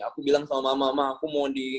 aku bilang sama mama aku mau di